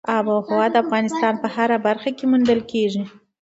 آب وهوا د افغانستان په هره برخه کې موندل کېږي.